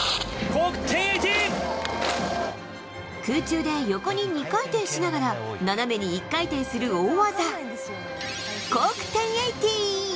空中で横に２回転しながら斜めに１回転する大技。